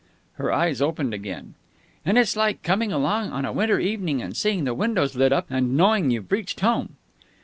Her eyes opened again. "And it's like coming along on a winter evening and seeing the windows lit up and knowing you've reached home."